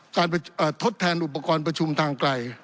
ทดแทนอุปกรณ์ประชุมทางไกล